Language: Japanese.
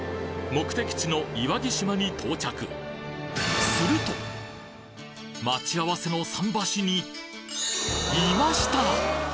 目的地の岩城島に到着待ち合わせの桟橋にいました！